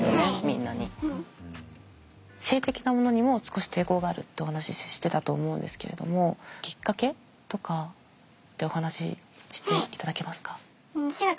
性的なものにも少し抵抗があるってお話ししてたと思うんですけれどもきっかけとかってお話ししていただけますか。